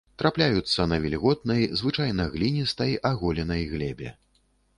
Трапляюцца на вільготнай, звычайна гліністай, аголенай глебе.